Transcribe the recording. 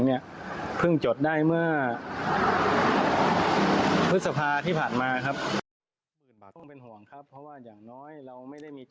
เพิ่งจดได้เมื่อภศภาที่ผ่านมาครับ